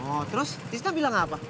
oh terus iska bilang apa